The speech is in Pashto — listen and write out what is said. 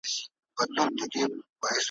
چي زه دي ساندي اورېدلای نه سم `